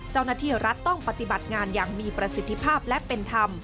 เจ้าหน้าที่รัฐต้องปฏิบัติงานอย่างมีประสิทธิภาพและเป็นธรรม